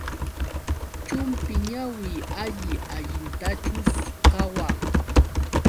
Chumpi ñawi alli allintachus qawan.